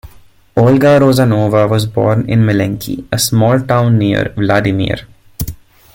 Olga Rozanova was born in Melenki, a small town near Vladimir.